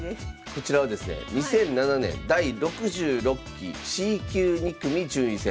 こちらはですね２００７年第６６期Ｃ級２組順位戦。